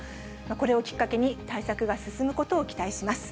これをきっかけに、対策が進むことを期待します。